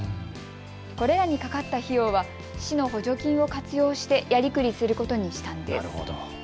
これらにかかった費用は市の補助金を活用してやりくりすることにしたんです。